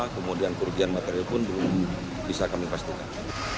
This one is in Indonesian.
kemudian kerugian material pun belum bisa kami pastikan